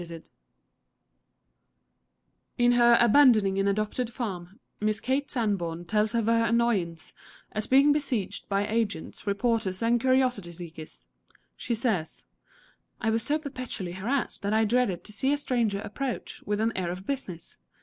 POLITE In her "Abandoning an Adopted Farm," Miss Kate Sanborn tells of her annoyance at being besieged by agents, reporters and curiosity seekers. She says: "I was so perpetually harassed that I dreaded to see a stranger approach with an air of business.